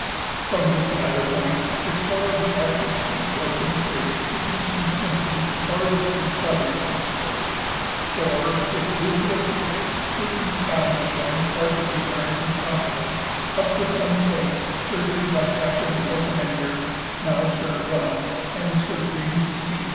From this latter point the shore of the Arctic Sea was to be traced to Dease and Simpson's farthest discoveries eastward; or, if Boothia Felix should be found to form part of the American continent, up to some place surveyed by Captain or Commander (now Sir John and Sir James C.)